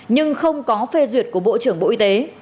nhưng không có phê duyệt của bộ trưởng bộ y tế